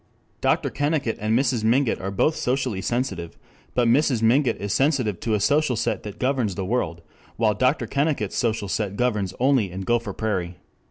Dr. Kennicott and Mrs. Mingott are both socially sensitive, but Mrs. Mingott is sensitive to a social set that governs the world, while Dr. Kennicott's social set governs only in Gopher Prairie.